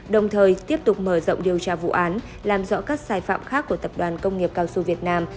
đồng thời tiếp tục mở rộng điều tra vụ án làm rõ các sai phạm khác của tập đoàn công nghiệp cao su việt nam